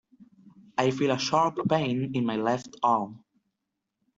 I feel a sharp pain in my left arm.